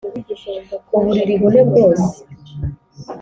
uburiri bune bwose